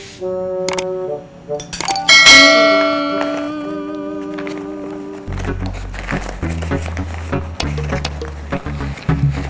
sampai jumpa lagi